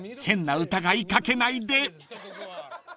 ［変な疑い掛けないで！］